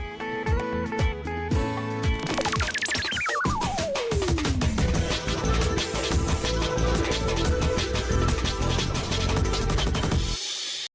ส่วนในระยะนี้หลายพื้นที่ยังก็ยังทำให้ระยะพื้นที่โดยเฉพาะนคร